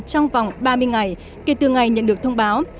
trong vòng ba mươi ngày kể từ ngày nhận được thông báo